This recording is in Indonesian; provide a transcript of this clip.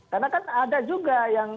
karena kan ada juga yang